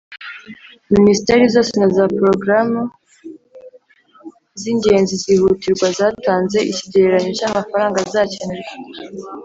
minisiteri zose na za porogaramu z'ingenzi zihutirwa zatanze ikigereranyo cy'amafaranga azakenerwa.